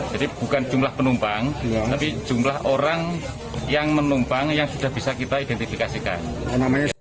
jadi bukan jumlah penumpang tapi jumlah orang yang menumpang yang sudah bisa kita identifikasikan